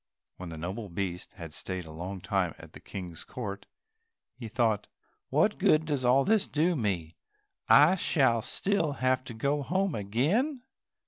When the noble beast had stayed a long time at the King's court, he thought, "What good does all this do me, I shall still have to go home again?"